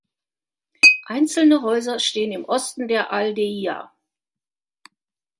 Einzelne Häuser stehen im Osten der Aldeia.